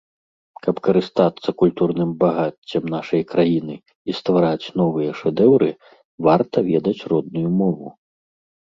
Каб карыстацца культурным багаццем нашай краіны і ствараць новыя шэдэўры, варта ведаць родную мову.